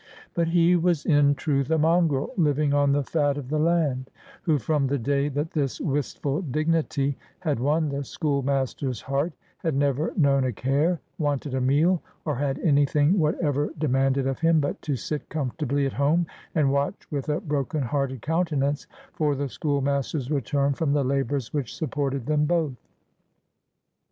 But he was in truth a mongrel, living on the fat of the land; who, from the day that this wistful dignity had won the schoolmaster's heart, had never known a care, wanted a meal, or had any thing whatever demanded of him but to sit comfortably at home and watch with a broken hearted countenance for the schoolmaster's return from the labors which supported them both.